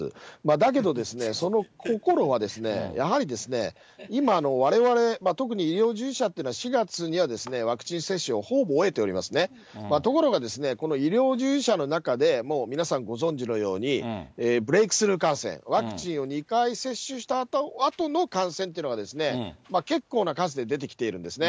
だけど、その心はですね、やはりですね、今、われわれ、特に医療従事者というのは４月にはワクチン接種をほぼ終えておりますね、ところがこの医療従事者の中で、もう皆さんご存じのように、ブレークスルー感染、ワクチンを２回接種したあとの感染というのが、結構な数で出てきているんですね。